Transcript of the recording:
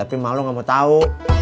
tapi malu gak mau tahu